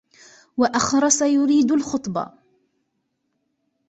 وَأَخْرَسَ يُرِيدُ الْخُطْبَةَ